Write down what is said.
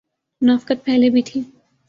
منافقت پہلے بھی تھی۔